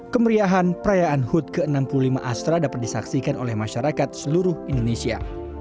kemeriahan perayaan hud ke enam puluh lima astra dapat disaksikan oleh masyarakat seluruh indonesia